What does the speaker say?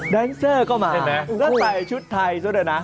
ดันเซอร์เข้ามาได้ใส่ชุดไทยซะด้วยนะ